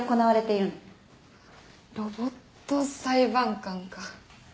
ロボット裁判官か。